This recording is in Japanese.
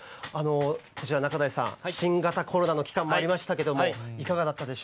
こちら、中臺さん、新型コロナの期間もありましたけど、いかがだったでし